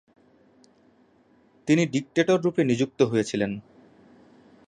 তিনি ডিক্টেটর রুপে নিযুক্ত হয়েছিলেন।